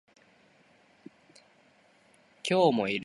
今日もいる